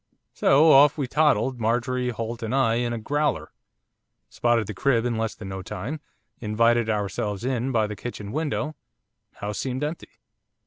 So off we toddled, Marjorie, Holt, and I, in a growler, spotted the crib in less than no time, invited ourselves in by the kitchen window house seemed empty.